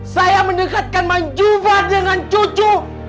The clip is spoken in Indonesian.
saya mendekatkan manjubat dengan cucu